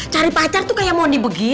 cari pacar tuh kayak moni begini